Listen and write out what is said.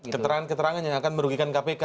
keterangan keterangan yang akan merugikan kpk